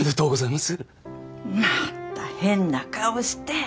また変な顔して！